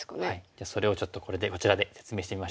じゃあそれをちょっとこちらで説明してみましょう。